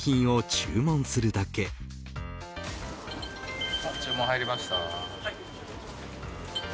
注文入りました。